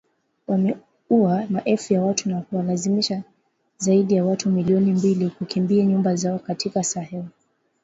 Wameua maelfu ya watu na kuwalazimisha zaidi ya watu milioni mbili kukimbia nyumba zao katika Sahel